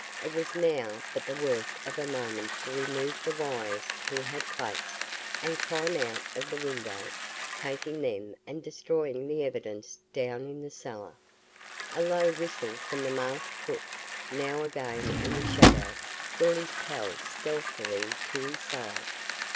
It was now but the work of a moment to remove the wires he had placed, and climb out of the window, taking them and destroying the evidence down in the cellar. A low whistle from the masked crook, now again in the shadow, brought his pal stealthily to his side.